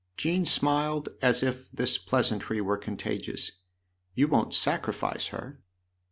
Jean smiled as if this pleasantry were contagious. " You won't sacrifice her